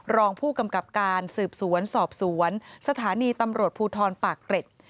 รองผู้กำกับการสืบสวนสอบสวนสถานีตำรวจภูทรปากเกร็ด